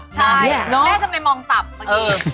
ใช่แม่ทำไมมองตับเมื่อกี้